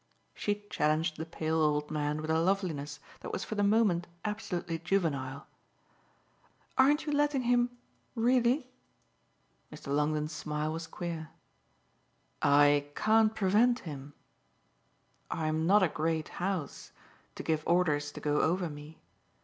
She challenged the pale old man with a loveliness that was for the moment absolutely juvenile. "Aren't you letting him really?" Mr. Longdon's smile was queer. "I can't prevent him. I'm not a great house to give orders to go over me.